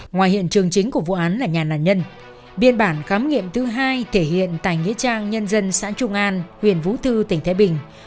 ngoài hiện trường chính của vụ án là nhà nạn nhân biên bản khám nghiệm thứ hai thể hiện tại nghĩa trang nhân dân xã trung an huyện vũ thư tỉnh thái bình